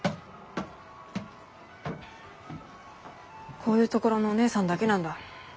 こういうところのお姐さんだけなんだ